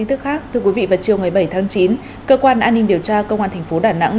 thưa quý vị vào chiều ngày bảy tháng chín cơ quan an ninh điều tra công an thành phố đà nẵng